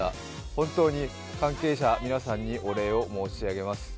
本当に関係者、皆さんにお礼を申し上げます。